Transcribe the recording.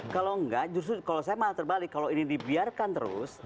kalau enggak justru kalau saya malah terbalik kalau ini dibiarkan terus